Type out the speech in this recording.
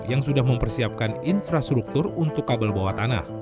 yang sudah mempersiapkan infrastruktur untuk kabel bawah tanah